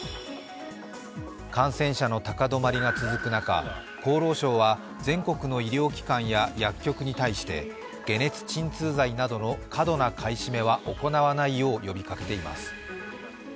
感染者の高止まりが続く中、厚労省は全国の医療機関や薬局に対して解熱鎮痛剤などの過度な買い占めは行わないよう呼びかけています。